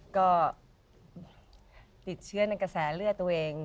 ก็ติดเชื้อในกระแสเลือดตัวเอง